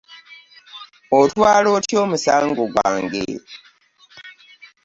Otwala otya omusango gwange?